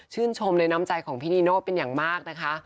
ชมในน้ำใจของพี่นีโน่เป็นอย่างมากนะคะ